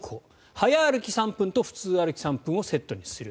早歩き３分と普通歩き３分をセットにする。